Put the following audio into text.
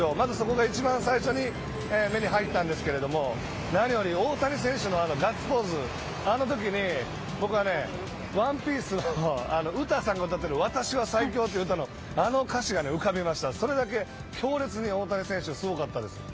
まずそこが一番最初に目に入ったんですけれども何より大谷選手のガッツポーズあのときに、僕はＯＮＥＰＩＥＣＥのウタさんが歌っている私は最強と言う歌のあの歌詞が浮かびました。